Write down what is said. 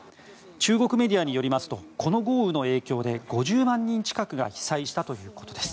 中国メディアによりますとこの豪雨の影響で５０万人近くが被災したということです。